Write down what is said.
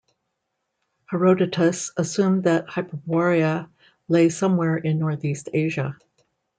Herodotus assumed that Hyperborea lay somewhere in Northeast Asia.